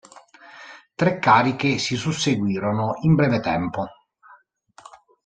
Tre cariche si susseguirono in breve tempo.